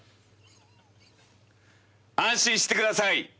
安心してください。